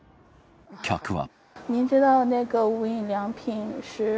客は。